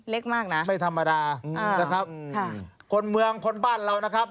เล็กมากนะนะครับค่ะคนเมืองคนบ้านเรานะครับ